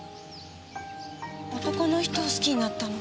男の人を好きになったの。